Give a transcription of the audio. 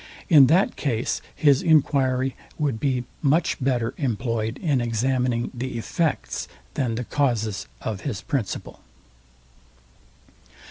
In that case his enquiry would be much better employed in examining the effects than the causes of his principle.